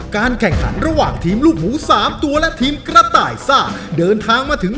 การแข่งขันระหว่างทีมลูกหมูสามตัวและทีมกระต่ายซ่าเดินทางมาถึง